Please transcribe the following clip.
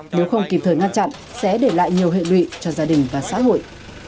nếu không kịp thời ngăn chặn sẽ để lại nhiều hệ lụy cho gia đình và xã hội